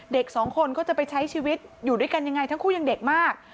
เด็กสองคนก็จะไปใช้ชีวิตอยู่ด้วยกันยังไงทั้งคู่ยังเด็กมาก